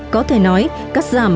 có thể nói cắt giảm